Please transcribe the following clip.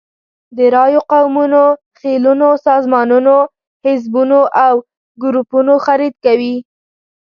د رایو، قومونو، خېلونو، سازمانونو، حزبونو او ګروپونو خرید کوي.